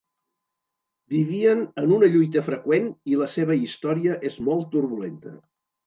Vivien en una lluita freqüent i la seva història és molt turbulenta.